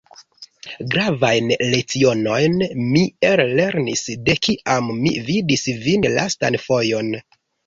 Gravajn lecionojn mi ellernis, de kiam mi vidis vin la lastan fojon.